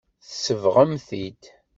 Tsebɣem-t-id.